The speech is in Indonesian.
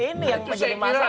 ini yang menjadi masalah